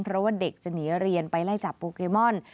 เพราะว่าเด็กจะหนีเรียนไปไล่จับโปเกมอน